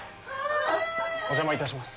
お邪魔いたします。